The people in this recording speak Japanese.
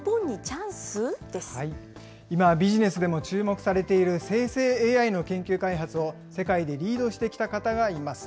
今、ビジネスでも注目されている生成ＡＩの研究開発を世界でリードしてきた方がいます。